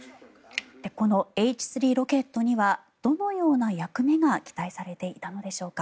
このＨ３ロケットにはどのような役目が期待されていたのでしょうか。